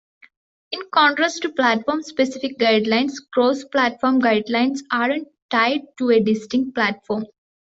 In contrast to platform-specific guidelines, cross-platform guidelines aren't tied to a distinct platform.